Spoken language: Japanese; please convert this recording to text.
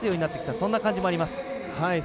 そんな感じもあります。